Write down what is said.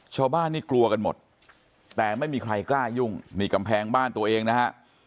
ชาวบ้านนี่กลัวกันหมดแต่ไม่มีใครกล้ายุ่งนี่กำแพงบ้านตัวเองนะฮะ